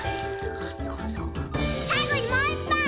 さいごにもういっぱい！